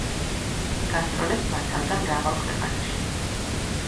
გასტროლებს მართავდა მრავალ ქვეყანაში.